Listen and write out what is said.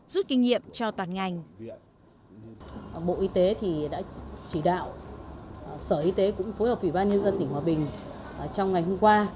rút kinh nghiệm cho toàn ngành